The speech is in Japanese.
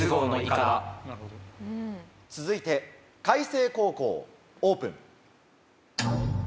続いて開成高校オープン。